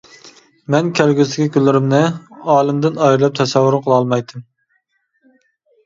مەن كەلگۈسىدىكى كۈنلىرىمنى ئالىمدىن ئايرىپ تەسەۋۋۇر قىلالمايتتىم.